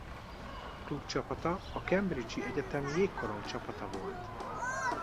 Klubcsapata a Cambridge-i Egyetem jégkorongcsapata volt.